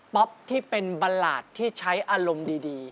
๊อปที่เป็นประหลาดที่ใช้อารมณ์ดี